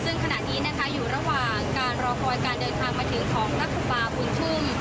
ซึ่งขณะนี้นะคะอยู่ระหว่างการรอคอยการเดินทางมาถึงของพระครูบาบุญชุ่ม